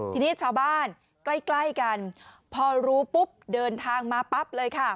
ทีนี้ชาวบ้านใกล้กันพอรู้ปุ๊บเดินทางมาปั๊บเลยค่ะ